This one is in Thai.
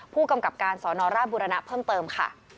ผู้กำกับการสอนอราชบุรณะเพิ่มเติมค่ะ